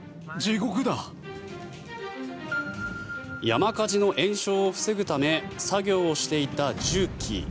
山火事の延焼を防ぐため作業をしていた重機。